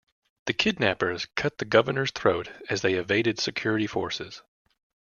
The kidnappers cut the governor's throat as they evaded security forces.